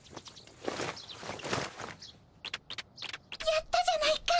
やったじゃないか。